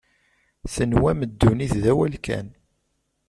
Tenwam ddunit d awal kan.